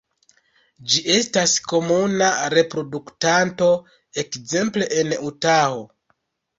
Ĝi estas komuna reproduktanto ekzemple en Utaho.